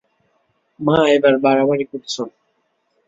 মা, এইবার বাড়াবাড়ি করছো।